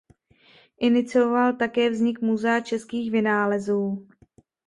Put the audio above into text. Inicioval také vznik "Muzea českých vynálezů".